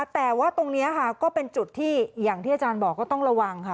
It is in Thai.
แต่ว่าตรงนี้ค่ะก็เป็นจุดที่อย่างที่อาจารย์บอกก็ต้องระวังค่ะ